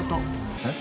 えっ？